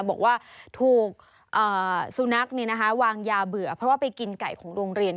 บอกว่าถูกสุนัขวางยาเบื่อเพราะว่าไปกินไก่ของโรงเรียน